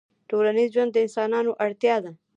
ټولنیز ژوند د انسانانو اړتیا ده